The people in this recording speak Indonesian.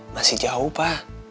masih jauh pa